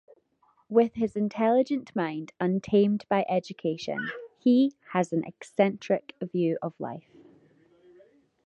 With his intelligent mind untamed by education, he has an eccentric view of life.